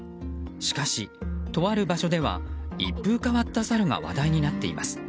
しかし、とある場所では一風変わったサルが話題になっています。